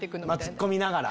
ツッコミながら。